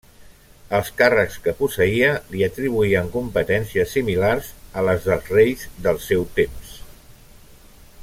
Els càrrecs que posseïa li atribuïen competències similars a les dels reis del seu temps.